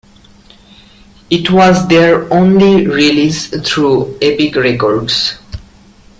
It was their only release through Epic Records.